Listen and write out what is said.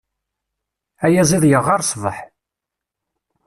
Ayaziḍ yeɣɣar ṣṣbeḥ.